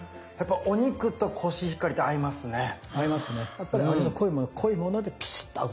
やっぱり味の濃いものと濃いものでピシッと合う。